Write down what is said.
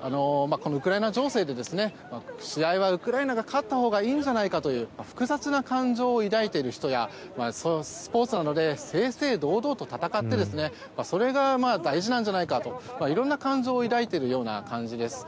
このウクライナ情勢で試合はウクライナが勝ったほうがいいんじゃないかという複雑な感情を抱いている人やスポーツなので正々堂々と戦ってそれが大事なんじゃないかと色んな感情を抱いているような感じです。